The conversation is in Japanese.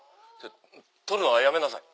撮るのはやめなさい。